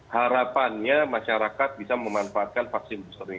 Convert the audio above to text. harapannya masyarakat bisa memanfaatkan vaksin booster ini